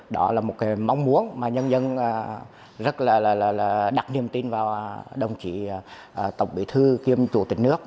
đó là một cái mong muốn mà nhân dân rất là đặt niềm tin vào đồng chí tổng bí thư kiêm chủ tịch nước